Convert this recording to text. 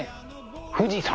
富士山。